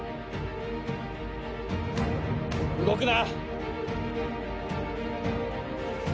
動くな。